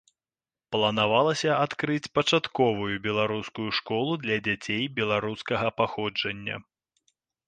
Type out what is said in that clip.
Планавалася адкрыць пачатковую беларускую школу для дзяцей беларускага паходжання.